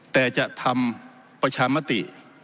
แต่จะทำประชามติ